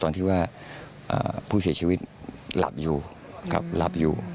ตอนที่ว่าผู้เสียชีวิตหลับอยู่ครับหลับอยู่